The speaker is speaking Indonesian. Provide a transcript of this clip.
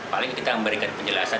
paling kita memberikan penjelasan